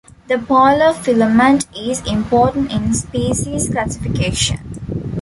The polar filament is important in species classification.